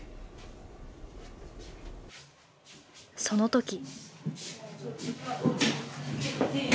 その時。